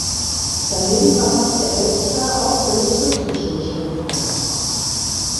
Daneben verfasste Elster auch belletristische Schriften.